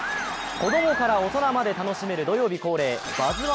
子供から大人まで楽しめる土曜日恒例、「バズ☆１」